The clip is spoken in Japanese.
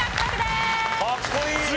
かっこいいね。